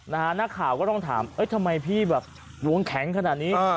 นักข่าวก็ต้องถามเอ้ยทำไมพี่แบบดวงแข็งขนาดนี้